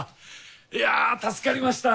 いや助かりました！